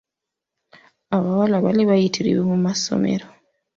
Abawala baali bayitirivu mu masomero.